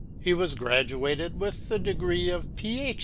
He was graduated with the degree of Ph.